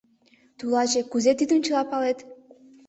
— Тулаче, кузе тидым чыла палет?